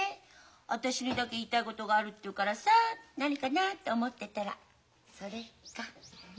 私にだけ言いたいことがあるって言うからさ何かなと思ってたらそれか。